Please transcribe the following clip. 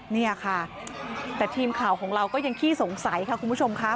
นี่ค่ะแต่ทีมข่าวของเราก็ยังขี้สงสัยค่ะคุณผู้ชมค่ะ